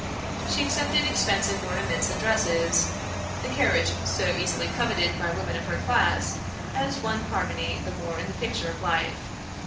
She accepted expensive ornaments and dresses, the carriage so eagerly coveted by women of her class, as one harmony the more in the picture of life.